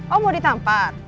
oh mau ditampar